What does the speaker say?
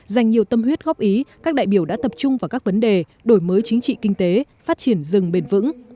dành nhiều tâm huyết góp ý các đại biểu đã tập trung vào các vấn đề đổi mới chính trị kinh tế phát triển rừng bền vững